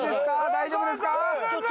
大丈夫ですか？